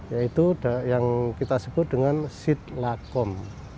yaitu yang kita sebut dengan sidlacom